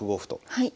はい。